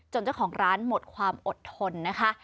เจ้าของร้านหมดความอดทนนะคะ